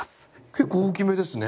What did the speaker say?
結構大きめですね。